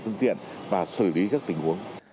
container và xử lý các tình huống